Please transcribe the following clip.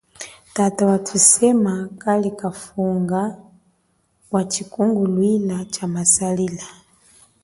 Tata wathusema yethu kali kafunga wa tshikunguluila tshama salila.